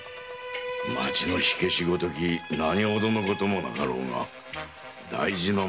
町の火消しごとき何ほどのこともなかろうが大事の前だ。